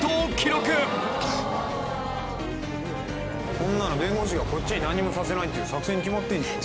「こんなの弁護士がこっちに何にもさせないっていう作戦に決まってんじゃん」